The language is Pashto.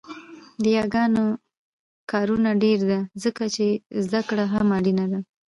د یاګانو کارونه ډېره ده ځکه يې زده کړه هم اړینه ده